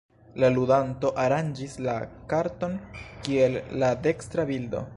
La ludanto aranĝis la karton kiel en la dekstra bildo.